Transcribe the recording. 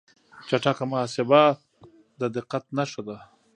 چټک محاسبه د دقت نښه ده.